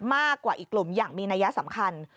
มากกว่าอีกกลุ่มอย่างมีนัยสำคัญ